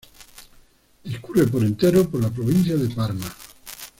Discurre por entero por la provincia de Parma.